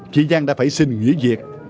chị giang đã phải xin nghỉ việc